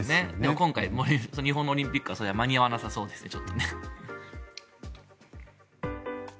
今回日本のオリンピックは間に合わなそうですけどね。